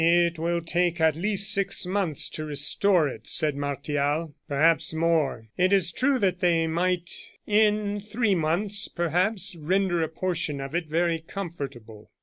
"It will take at least six months to restore it," said Martial; "perhaps more. It is true that they might in three months, perhaps, render a portion of it very comfortable."